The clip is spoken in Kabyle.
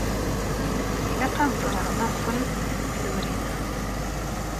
Ilaq ad ẓreɣ laṣel n tnebdurin-a.